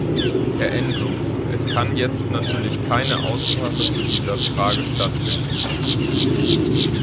Herr Andrews, es kann jetzt natürlich keine Aussprache zu dieser Frage stattfinden.